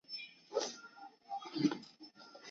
伪齐皇帝刘豫之子。